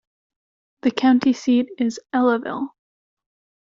The county seat is Ellaville.